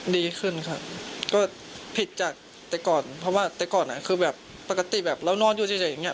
ดีขึ้นครับก็ผิดจากแต่ก่อนเพราะว่าแต่ก่อนคือแบบปกติแบบเรานอนอยู่เฉยอย่างเงี้